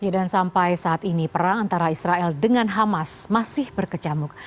dan sampai saat ini perang antara israel dengan hamas masih berkecamuk